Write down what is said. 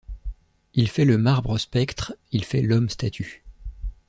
Il fait le marbre spectre, il fait l’homme statue.